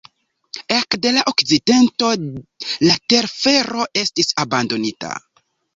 Ekde la akcidento la telfero estis abandonita.